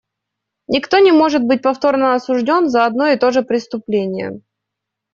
Никто не может быть повторно осужден за одно и то же преступление.